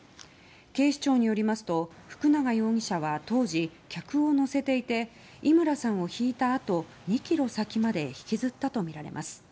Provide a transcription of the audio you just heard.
警視庁によりますと福永容疑者は当時、客を乗せていて伊村さんをひいたあと２ｋｍ先まで引きずったとみられます。